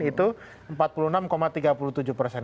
itu empat puluh enam tiga puluh tujuh persen